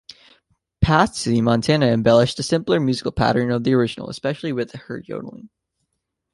Patsy Montana embellished the simpler musical pattern of the original, especially with her yodeling.